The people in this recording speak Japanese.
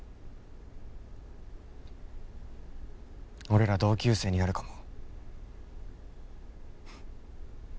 俺ら同級生になるかも